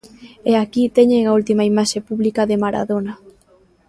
E aquí teñen a última imaxe pública de Maradona.